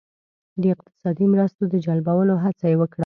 د اقتصادي مرستو د جلبولو هڅه یې وکړه.